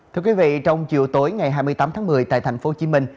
thưa quý vị trong chiều tối ngày hai mươi tám tháng một mươi tại thành phố hồ chí minh